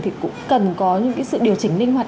thì cũng cần có những sự điều chỉnh linh hoạt